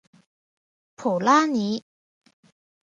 普拉尼。